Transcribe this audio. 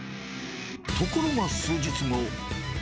ところが数日後。